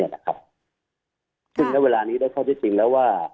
ด้วยเวลานี้ได้ค้าวที่จริงแล้วว่า